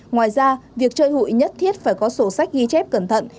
ngoài ra việc chơi hụi nhất thiết phải có sổ sách ghi chép cẩn thận